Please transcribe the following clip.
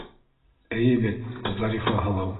Эйе бит, Зарифа һылыу?!